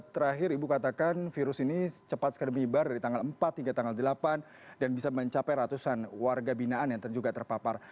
terakhir ibu katakan virus ini cepat sekali menyebar dari tanggal empat hingga tanggal delapan dan bisa mencapai ratusan warga binaan yang juga terpapar